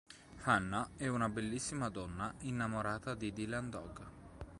Hannah è una bellissima donna innamorata di Dylan Dog.